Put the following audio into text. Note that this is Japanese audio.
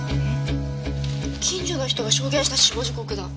近所の人が証言した死亡時刻だ。